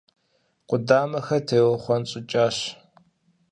Къудамэхэр теухъуэнщӀыкӀащ.